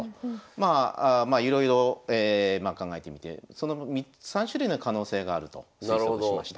まあいろいろ考えてみて３種類の可能性があると推測しました。